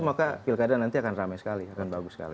maka pilkada nanti akan ramai sekali akan bagus sekali